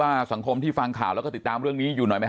สังคมที่ฟังข่าวแล้วก็ติดตามเรื่องนี้อยู่หน่อยไหม